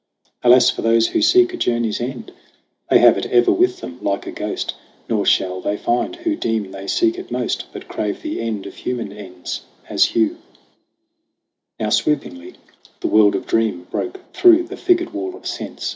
Alas for those who seek a journey's end They have it ever with them like a ghost : Nor shall they find, who deem they seek it most, But crave the end of human ends as Hugh. Now swoopingly the world of dream broke through The figured wall of sense.